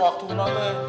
ya waktunya sakit ya sakit